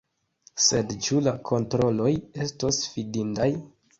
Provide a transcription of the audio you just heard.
Sed ĉu la kontroloj estos fidindaj?